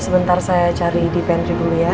sebentar saya cari di pentry dulu ya